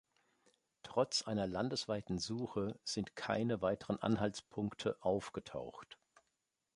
Trotz einer landesweiten Suche sind keine weiteren Anhaltspunkte aufgetaucht.